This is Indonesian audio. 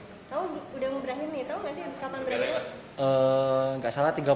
tau udah ngeberahin nih tau gak sih kapan berlalu